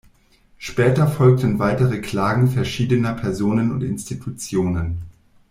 Später folgten weitere Klagen verschiedener Personen und Institutionen.